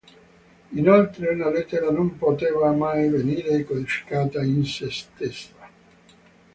Inoltre una lettera non poteva mai venire codificata in sé stessa.